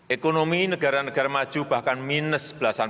ekonomi negara negara maju bahkan minus lima tiga puluh dua persen